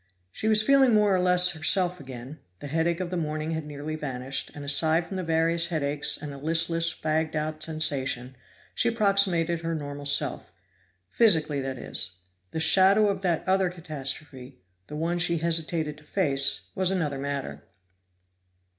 She was feeling more or less herself again; the headache of the morning had nearly vanished, and aside from the various aches and a listless fagged out sensation, she approximated her normal self. Physically, that is; the shadow of that other catastrophe, the one she hesitated to face, was another matter.